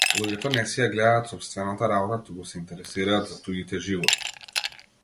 Луѓето не си ја гледаат сопстевната работа туку се интересираат за туѓите животи.